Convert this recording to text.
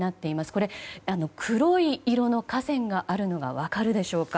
これ、黒い色の河川があるのが分かるでしょうか。